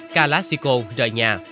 calasico rời nhà